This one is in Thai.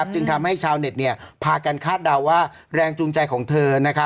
จึงทำให้ชาวเน็ตพากันคาดเดาว่าแรงจูงใจของเธอ